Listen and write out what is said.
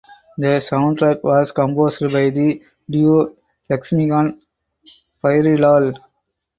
The soundtrack was composed by the duo Laxmikant–Pyarelal.